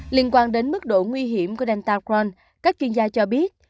liên quan đến mức độ nguy hiểm của delta cron các chuyên gia cho biết